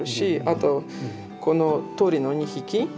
あとこの鳥の２匹。